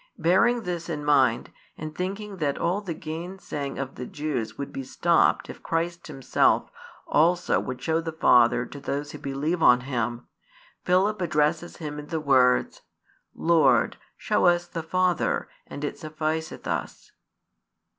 Bearing this in mind, and thinking that all the gainsaying of the Jews would be stopped if Christ Himself also would show the Father to those who believe on Him, Philip addresses Him in the words: Lord, show us the Father, and it sufficeth us.